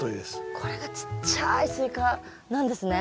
これがちっちゃいスイカなんですね。